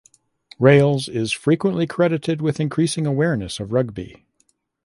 Rails is frequently credited with increasing awareness of Ruby.